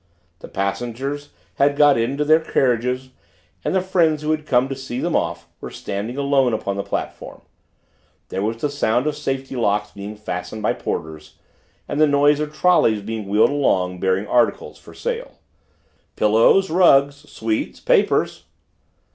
The passengers had got into their carriages, and the friends who had come to see them off were standing alone upon the platform. There was the sound of safety locks being fastened by porters, and the noise of trollies being wheeled along bearing articles for sale. "Pillows! Rugs! Sweets! Papers!"